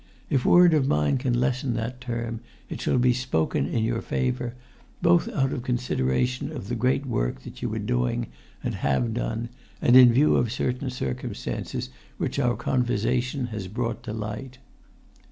If word of mine can lessen that term, it shall be spoken in your favour, both out of consideration of the great work that you were doing, and have done, and in view of certain circumstances which our conversation has brought to light."